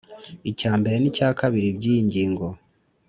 icya mbere n icya kabiri by iyi ngingo